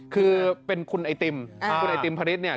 คือเป็นคุณไอติมคุณไอติมพฤษเนี่ย